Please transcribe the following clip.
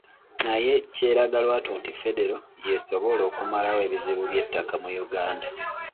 Naye kyeraga lwatu nti federo y'esobola okumalawo ebizibu by'ettaka mu Uganda.